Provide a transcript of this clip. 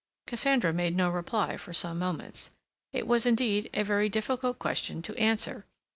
Cassandra made no reply for some moments. It was, indeed, a very difficult question to answer.